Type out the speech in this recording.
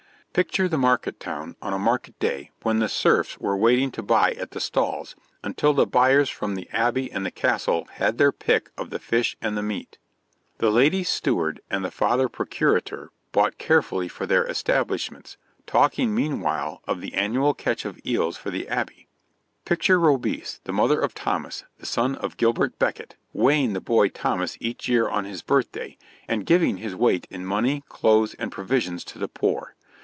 Picture the market town on a market day when the serfs were waiting to buy at the stalls until the buyers from the abbey and the castle had had their pick of the fish and the meat. The lady's steward and the Father Procurator bought carefully for their establishments, talking meanwhile of the annual catch of eels for the abbey. Picture Robese, the mother of Thomas, the son of Gilbert Becket, weighing the boy Thomas each year on his birthday, and giving his weight in money, clothes, and provisions to the poor.